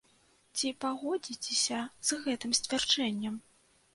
Ці пагодзіцеся з гэтым сцвярджэннем?